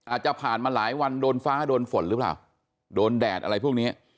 อาจจะผ่านมาหลายวันโดนฟ้าโดนฝนหรือเปล่าโดนแดดอะไรพวกนี้